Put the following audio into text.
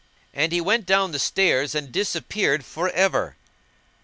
And he went down the stairs and disappeared for ever.